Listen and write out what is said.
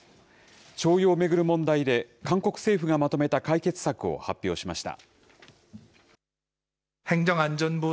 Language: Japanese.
徴用を巡る問題で、韓国政府がまとめた解決策を発表しました。